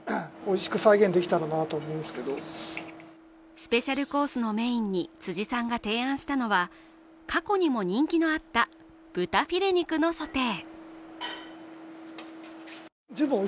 スペシャルコースのメインに辻さんが提案したのは過去にも人気のあった豚フィレ肉のソテー。